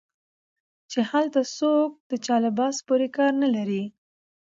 چې هلته څوک د چا لباس پورې کار نه لري